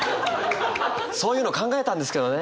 そういうの考えたんですけどね。